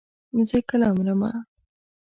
زه کله مرمه.